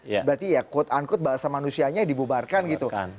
berarti ya quote unquote bahasa manusianya dibubarkan gitu